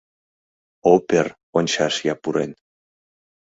Опе́р ончаш я пуре́н...